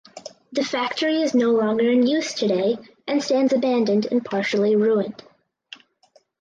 The factory is no longer in use today and stands abandoned and partially ruined.